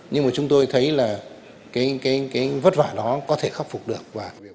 nhưng mà chúng tôi thấy là cái vất vả đó có thể khắc phục được